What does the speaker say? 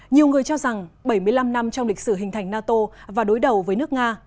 nhiều người cho rằng bảy mươi năm năm trong lịch sử hình thành nato và đối đầu với nước nga